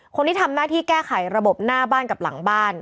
คนที่ทำหน้าที่แก้ไขระบบหน้าบ้านกับหลังบ้าน